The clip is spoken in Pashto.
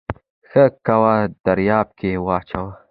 ښه کوه دریاب کې واچوه